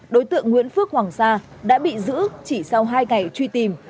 đối tượng nguyễn phước hoàng sa đã bị giữ chỉ sau hai ngày truy tìm